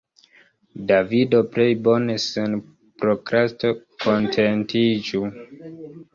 Davido plej bone sen prokrasto kontentiĝu.